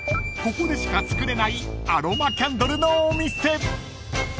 ここでしか作れないアロマキャンドルのお店］